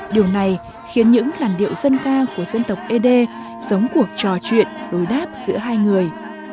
điều này khiến những làn điệu dân ca của dân tộc ế đê sống cuộc trò chuyện đối đáp giữa hai người